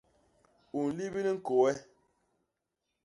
U nlibil ñkôô e?